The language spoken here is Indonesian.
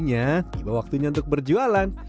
nah tiba waktu nya untuk berjualan